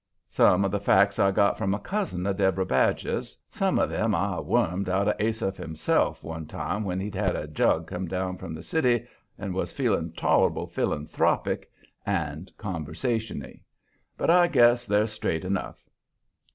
Some of the facts I got from a cousin of Deborah Badger's, some of them I wormed out of Asaph himself one time when he'd had a jug come down from the city and was feeling toler'ble philanthropic and conversationy. But I guess they're straight enough.